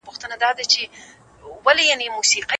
د حماسي برخو د مطالعې لپاره باید اړوندو ځایونو ته لاړ شو.